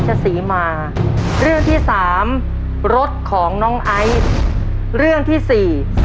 ชอบดูการ์ตูนไหมลูก